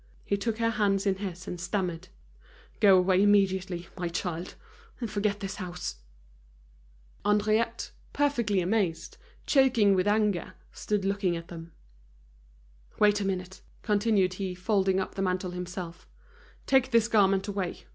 He took her hands in his and stammered: "Go away immediately, my child, and forget this house!" Henriette, perfectly amazed, choking with anger, stood looking at them. "Wait a minute," continued he, folding up the mantle himself, "take this garment away.